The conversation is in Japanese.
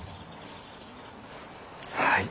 はい。